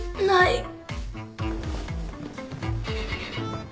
ない。